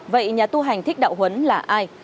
vậy nhà tu hành thích đạo huấn là ai